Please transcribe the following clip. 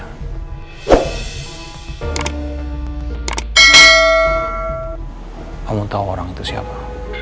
kamu tahu orang itu siapa